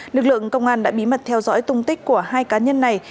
lực lượng công an đã bí mật theo dõi tung tích của hai cá nhân này